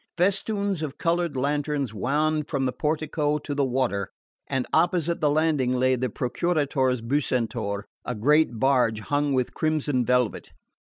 Festoons of coloured lanterns wound from the portico to the water; and opposite the landing lay the Procuratore's Bucentaur, a great barge hung with crimson velvet.